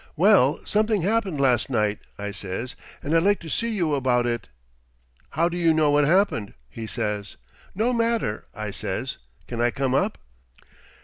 "'Well, something happened last night,' I says, 'and I'd like to see you about it.' "'How do you know what happened?' he says. "'No matter,' I says; 'can I come up?'